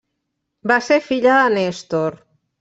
Va ser filla de Nèstor.